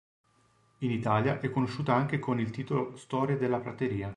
In Italia è conosciuta anche con il titolo Storie della prateria.